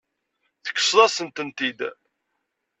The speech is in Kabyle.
Tekkseḍ-asen-tent-id.